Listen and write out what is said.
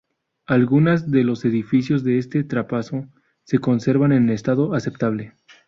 Algunas de los edificios de este trazado se conservan en estado aceptable.